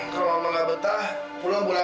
kalau mama gak betah pulang pulang